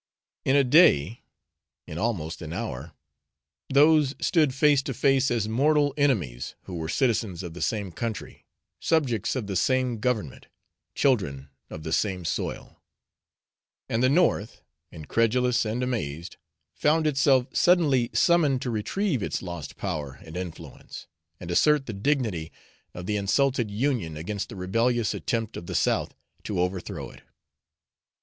In a day in an hour almost those stood face to face as mortal enemies who were citizens of the same country, subjects of the same government, children of the same soil; and the North, incredulous and amazed, found itself suddenly summoned to retrieve its lost power and influence, and assert the dignity of the insulted Union against the rebellious attempt of the South to overthrow it.